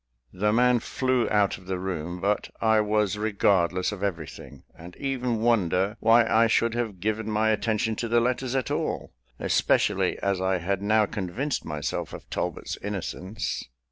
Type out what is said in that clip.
The man flew out of the room; but I was regardless of everything, and even wonder why I should have given my attention to the letters at all, especially as I had now convinced myself of Talbot's innocence.